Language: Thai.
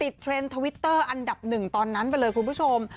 เทรนด์ทวิตเตอร์อันดับหนึ่งตอนนั้นไปเลยคุณผู้ชม